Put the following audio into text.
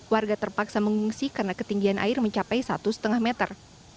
warga terpaksa mengungsi karena ketinggian air mencapai satu lima meter